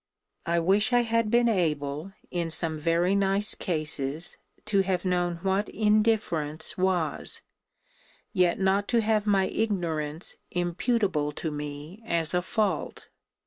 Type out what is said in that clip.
I wish I had been able, in some very nice cases, to have known what indifference was; yet not to have my ignorance imputable to me as a fault.